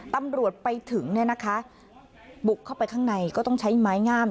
ตำรวจไปถึงเนี่ยนะคะบุกเข้าไปข้างในก็ต้องใช้ไม้งาม